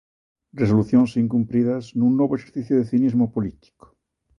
Resolucións incumpridas nun novo exercicio de cinismo político.